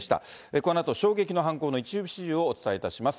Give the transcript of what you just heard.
このあと衝撃の犯行の一部始終をお伝えいたします。